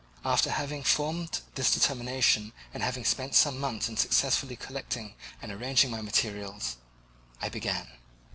After having formed this determination and having spent some months in successfully collecting and arranging my materials, I began.